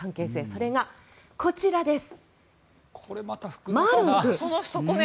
それがこちらです。